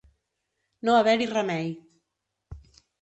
No haver-hi remei.